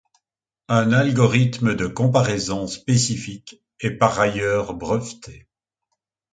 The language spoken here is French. Un algorithme de comparaison spécifique est par ailleurs breveté.